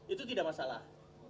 itu tidak masalah